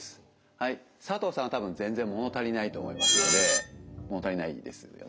はい佐藤さんは多分全然物足りないと思いますので物足りないですよね？